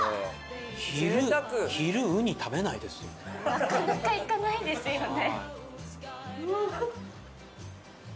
なかなかいかないですよね。